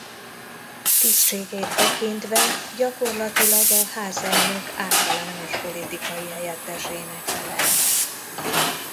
Tisztségét tekintve gyakorlatilag a házelnök általános politikai helyettesének felel meg.